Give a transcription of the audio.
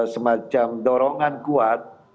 semacam dorongan kuat